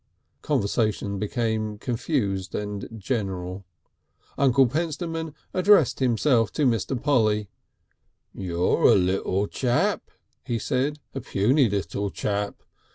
Conversation became confused and general. Uncle Pentstemon addressed himself to Mr. Polly. "You're a little chap," he said, "a puny little chap.